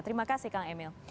terima kasih kang emil